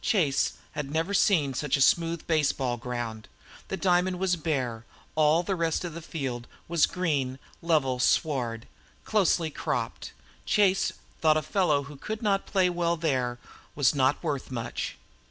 Chase had never seen such a smooth baseball ground. The diamond was bare; all the rest of the field was green, level sward, closely cropped. Chase thought a fellow who could not play well there was not worth much.